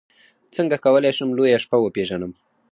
څنګه کولی شم لویه شپه وپېژنم